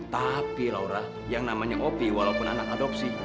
tapi laura yang namanya opi walaupun anak adopsi